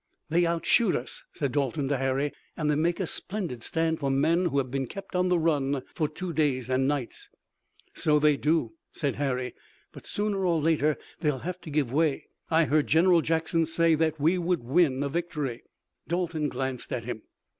"They outshoot us," said Dalton to Harry, "and they make a splendid stand for men who have been kept on the run for two days and nights." "So they do," said Harry, "but sooner or later they'll have to give way. I heard General Jackson say that we would win a victory." Dalton glanced at him.